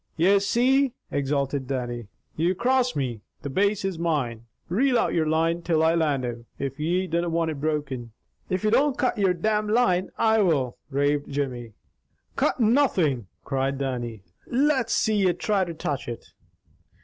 "Ye see!" exulted Dannie. "Ye're across me. The Bass is mine! Reel out your line till I land him, if ye dinna want it broken." "If you don't cut your domn line, I will!" raved Jimmy. "Cut nothin'!" cried Dannie. "Let's see ye try to touch it!"